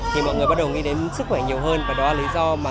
thì mọi người bắt đầu nghĩ